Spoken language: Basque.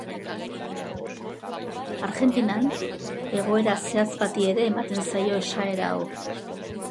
Argentinan, egoera zehatz bati ere ematen zaio esaera hau.